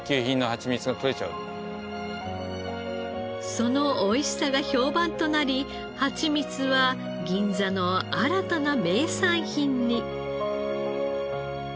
そのおいしさが評判となりハチミツは銀座の新たな名産品に。